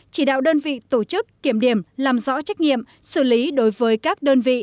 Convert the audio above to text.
chỉ đạo đơn vị tổ chức kiểm điểm làm rõ trách nhiệm xử lý đối với các đơn vị